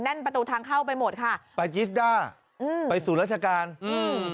แน่นประตูทางเข้าไปหมดค่ะไปจิสดาไปสู่ราชการอืม